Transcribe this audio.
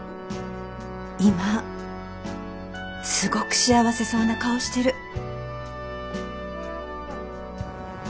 今すごく幸せそうな顔してる。